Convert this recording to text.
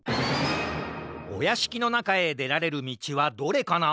おやしきのなかへでられるみちはどれかな？